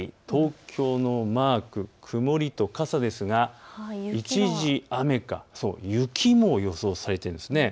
東京のマーク、曇りと傘ですが一時、雨か雪も予想されています。